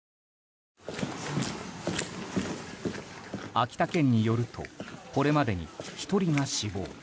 秋田県によるとこれまでに１人が死亡。